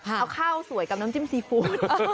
เอาข้าวสวยกับน้ำจิ้มซีฟู้ด